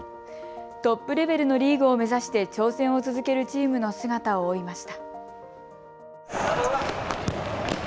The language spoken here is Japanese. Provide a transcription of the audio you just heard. トップレベルのリーグを目指して挑戦を続けるチームの姿を追いました。